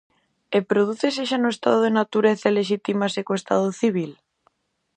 E prodúcese xa no estado de natureza e lexitímase co estado civil?